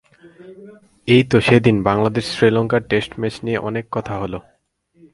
এই তো সেদিন বাংলাদেশ শ্রীলঙ্কার টেস্ট ম্যাচ নিয়ে অনেক কথা হলো।